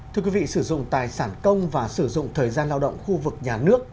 thưa quý vị sử dụng tài sản công và sử dụng thời gian lao động khu vực nhà nước